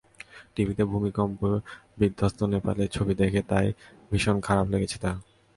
টিভিতে ভূমিকম্প বিধ্বস্ত নেপালের ছবি দেখে তাই ভীষণ খারাপ লেগেছে তাঁর।